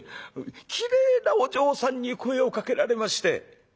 きれいなお嬢さんに声をかけられまして」。